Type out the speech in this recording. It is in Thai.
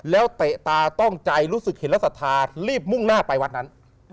แล้วเตะตาต้องใจรู้สึกเห็นและศรัทธารีบมุ่งหน้าไปวัดนั้น